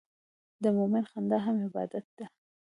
د مؤمن خندا هم عبادت ده.